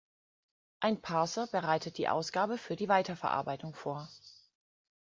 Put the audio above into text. Ein Parser bereitet die Ausgabe für die Weiterverarbeitung vor.